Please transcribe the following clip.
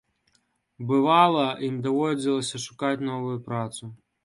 Бывала, ім даводзілася шукаць новую працу.